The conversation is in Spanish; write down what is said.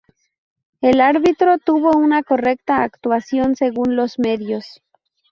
El árbitro, tuvo una correcta actuación según los medios.